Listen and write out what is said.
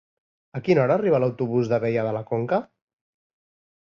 A quina hora arriba l'autobús d'Abella de la Conca?